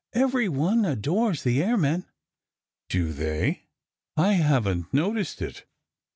"Every one adores the airmen." "Do they? I haven t noticed it."